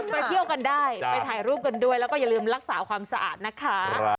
ไปเที่ยวกันได้ไปถ่ายรูปกันด้วยแล้วก็อย่าลืมรักษาความสะอาดนะคะ